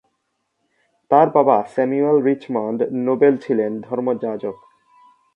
তার বাবা Samuel Richmond Noble ছিলেন ধর্মযাজক।